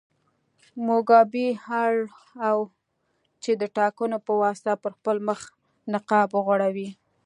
موګابي اړ و چې د ټاکنو په واسطه پر خپل مخ نقاب وغوړوي.